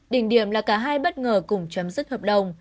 đỉnh điểm là cả hai bất ngờ cùng chấm dứt hợp đồng